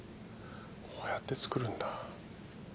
こうやってつくるんだ。